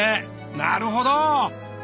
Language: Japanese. なるほど。